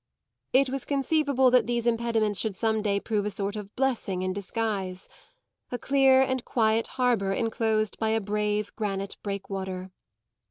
It was conceivable that these impediments should some day prove a sort of blessing in disguise a clear and quiet harbour enclosed by a brave granite breakwater.